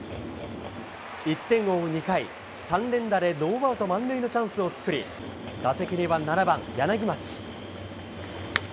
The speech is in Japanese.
１点を追う２回、３連打でノーアウト満塁のチャンスを作り、打席には７番柳町。